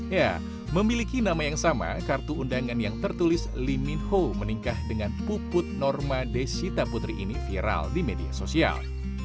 ya memiliki nama yang sama kartu undangan yang tertulis lee min ho menikah dengan puput norma desita putri ini viral di media sosial